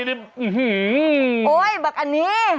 อื้อฮือโอ๊ยแบบอันนี้